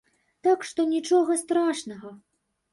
Так што нічога страшнага!